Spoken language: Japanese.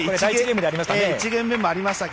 １ゲーム目もありましたね。